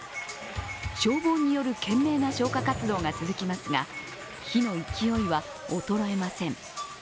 消防による懸命な消火活動が続きますが、火の勢いは衰えません